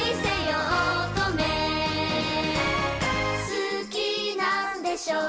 「好きなんでしょう？」